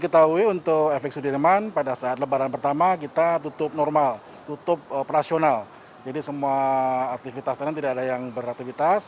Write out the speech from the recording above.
tapi sampai saat ini memang belum ada surat